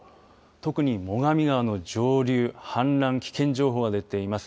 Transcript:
特に最上川の上流氾濫危険情報が出ています。